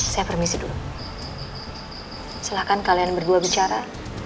saya permisi dulu silahkan kalian berdua bicara